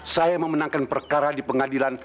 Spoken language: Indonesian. saya memenangkan perkara di pengadilan